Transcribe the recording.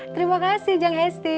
terima kasih jeng hesti